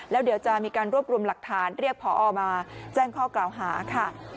แล้วเดี๋ยวจะมีการรวบรวมหลักฐานเรียกพอมาแจ้งข้อกล่าวหาค่ะ